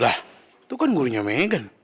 lah itu kan gurunya meghan